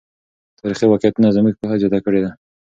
تاریخي واقعیتونه زموږ پوهه زیاته کړې ده.